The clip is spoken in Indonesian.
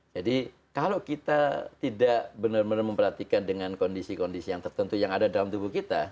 jadi kalau kita tidak benar benar memperhatikan dengan kondisi kondisi yang tertentu yang ada dalam tubuh kita